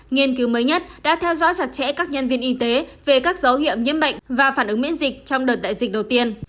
nghiên cứu mới nhất đã theo dõi chặt chẽ các nhân viên y tế về các dấu hiệu nhiễm bệnh và phản ứng miễn dịch trong đợt đại dịch đầu tiên